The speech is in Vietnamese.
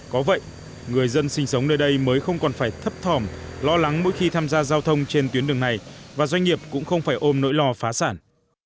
có vậy người dân sinh sống nơi đây mới không còn phải thấp thỏm lo lắng mỗi khi tham gia giao thông trên tuyến đường này và doanh nghiệp cũng không phải ôm nỗi lo phá sản